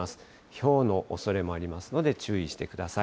ひょうのおそれもありますので、注意してください。